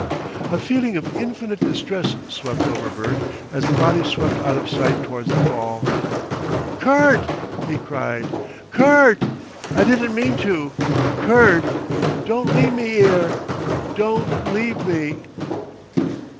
A feeling of infinite distress swept over Bert as the body swept out of sight towards the fall. "Kurt!" he cried, "Kurt! I didn't mean to! Kurt! don' leave me 'ere! Don' leave me!"